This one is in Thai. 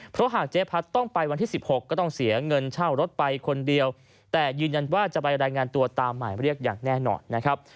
เพราะหากเจ๊พัดต้องไปวันที่๑๖ก็ต้องเสียเงินเช่ารถไปคนเดียวแต่ยืนยันว่าจะไปรายงานตัวตามหมายเรียกอย่างแน่นอนนะครับ